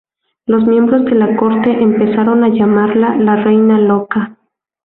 Los miembros de la corte empezaron a llamarla la Reina Loca.